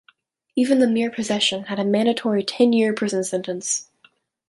Even the mere possession had a mandatory ten-year prison sentence.